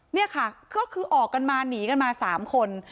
นี่ค่ะก็คือออกกันมาหนีกันมา๓คน